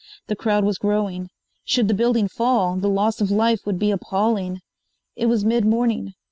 The crowd was growing. Should the building fall the loss of life would be appalling. It was mid morning.